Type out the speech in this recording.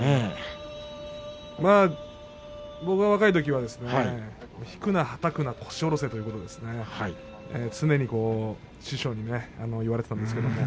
僕が若いときは引くな、はたくな腰を下ろせという常に師匠に言われていました。